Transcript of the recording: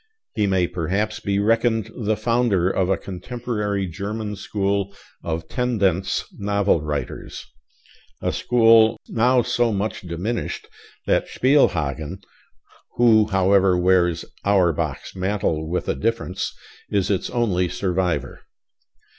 He may perhaps be reckoned the founder of a contemporary German school of tendenz novel writers; a school now so much diminished that Spielhagen who, however, wears Auerbach's mantle with a difference is its only survivor.